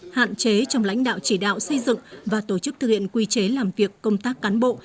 hạn chế trong lãnh đạo chỉ đạo xây dựng và tổ chức thực hiện quy chế làm việc công tác cán bộ